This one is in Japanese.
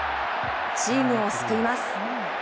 チームを救います。